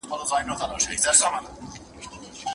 ترومچي